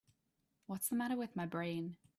What's the matter with my brain?